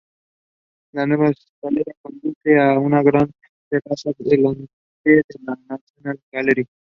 Las nuevas escaleras conducen a una gran terraza delante de la National Gallery.